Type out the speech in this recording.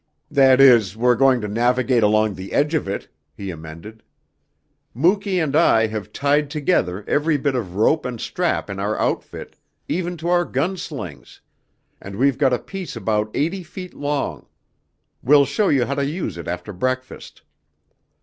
"That is, we're going to navigate along the edge of it," he amended. "Muky and I have tied together every bit of rope and strap in our outfit, even to our gun slings, and we've got a piece about eighty feet long. We'll show you how to use it after breakfast."